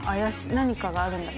何かがあるんだな。